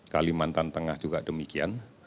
kalimantan tengah juga demikian